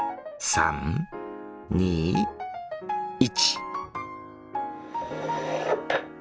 ３２１。